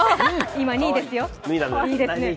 今２位ですよ。